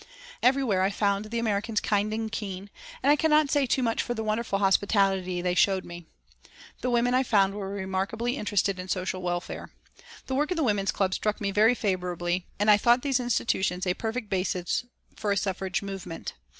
Everywhere I found the Americans kind and keen, and I cannot say too much for the wonderful hospitality they showed me. The women I found were remarkably interested in social welfare. The work of the women's clubs struck me very favourably, and I thought these institutions a perfect basis for a suffrage movement.